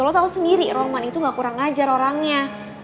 lo tau sendiri roman itu nggak kurang ngajar orangnya